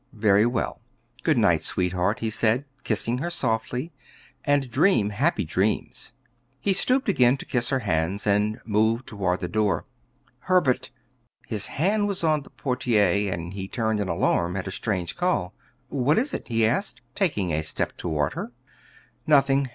"Very well." "Good night, sweetheart," he said, kissing her softly, "and dream happy dreams." He stooped again to kiss her hands, and moved toward the door. "Herbert!" His hand was on the portiere, and he turned in alarm at her strange call. "What is it?" he asked, taking a step toward her. "Nothing.